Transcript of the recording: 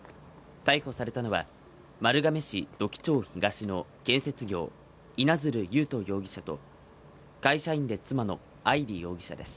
逮捕されたのは、丸亀市土器町東の建設業、いなづる夢登容疑者と会社員で妻の愛梨容疑者です。